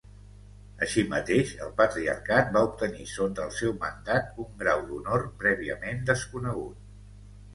Així mateix el patriarcat va obtenir sota el seu mandat un grau d'honor prèviament desconegut.